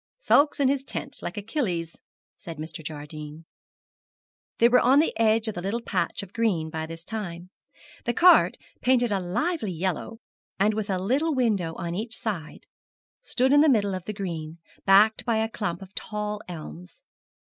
'Sulks in his tent, like Achilles,' said Mr. Jardine. They were on the edge of the little patch of green by this time. The cart painted a lively yellow, and with a little window on each side stood in the middle of the green, backed by a clump of tall elms.